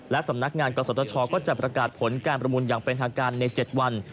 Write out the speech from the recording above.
และสำนักงานกศชก็จะประกาศผลการประมูลอย่างเป็นทางการใน๗วัน